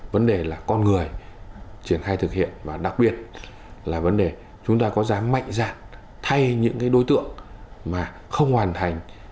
vấn đề là con người triển khai thực hiện và đặc biệt là vấn đề chúng ta có dám mạnh dạng thay những đối tượng mà không hoàn thành